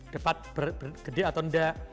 depat gede atau tidak